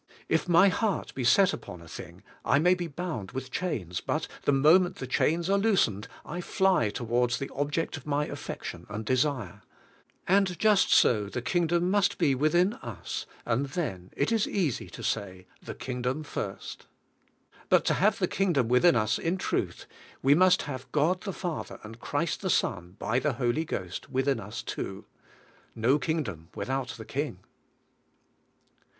If my heart be set upon a thing I may be bound with chains, but the moment the chains are loosened I fly to wards the object of my affection and desire. And just so the Kingdom must be within us, and then it is easy to say: "The Kingdom first." But to have the Kingdom within us in truth, we must have God the Father, and Christ the Son, by the Holy Ghost within us too. No Kingdom without the King.